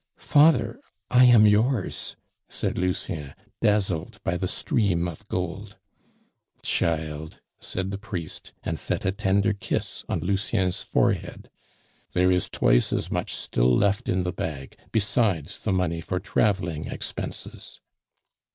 "Father, I am yours," said Lucien, dazzled by the stream of gold. "Child!" said the priest, and set a tender kiss on Lucien's forehead. "There is twice as much still left in the bag, besides the money for traveling expenses."